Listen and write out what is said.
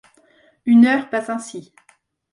Une heure passe ainsi.